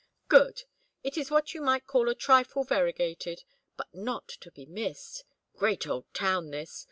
"Good. It was what you might call a trifle variegated, but not to be missed. Great old town, this!